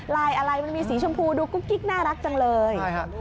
อะไรมันมีสีชมพูดูกุ๊กกิ๊กน่ารักจังเลย